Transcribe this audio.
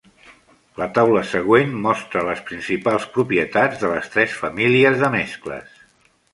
La taula següent Mostra les principals propietats de les tres famílies de mescles.